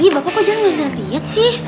ih bapak kok jangan ngeliat liat sih